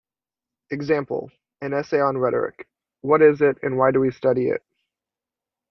Example: An essay on Rhetoric: What is it and why do we study it?